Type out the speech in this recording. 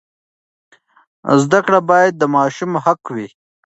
زده کړه باید د ماشوم حق وي.